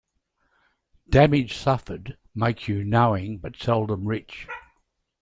Damage suffered makes you knowing, but seldom rich.